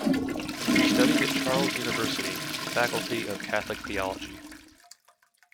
He studied at Charles University, faculty of Catholic Theology.